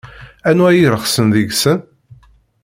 Anwa i irexsen deg-sen?